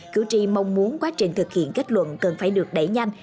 cử tri mong muốn quá trình thực hiện kết luận cần phải được đẩy nhanh